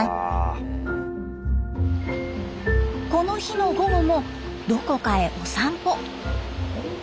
この日の午後もどこかへお散歩。